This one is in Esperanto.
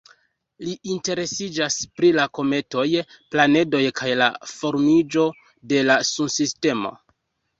Li interesiĝas pri la kometoj, planedoj kaj la formiĝo de la Sunsistemo.